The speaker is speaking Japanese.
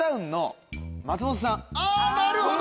あっなるほど！